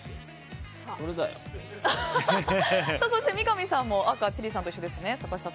そして、三上さんも赤千里さんと一緒ですね。